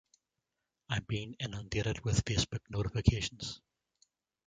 I’m being inundated with Facebook notifications.